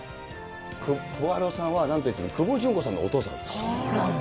久保晴生さんはなんといっても、久保純子さんのお父様です。